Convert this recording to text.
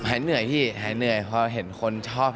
หายเหนื่อยพี่หายเหนื่อยพอเห็นคนชอบ